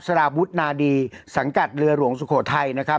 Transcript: สารวุฒินาดีสังกัดเรือหลวงสุโขทัยนะครับ